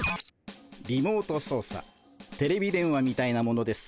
リモート操作テレビ電話みたいなものです。